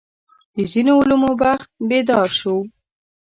د ځینو علومو بخت بیدار شو.